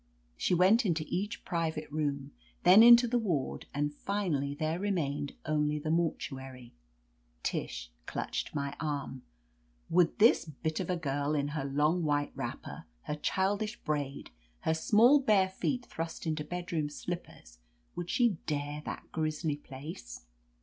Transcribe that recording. She went into each private room, then into the ward, and finally there remained only the mortuary. Tish clutched my arm. Would this bit of a girl, in her long white wrapper, her childish braid, her small bare feet thrust into bedroom slippers, would she dare that grisly place?"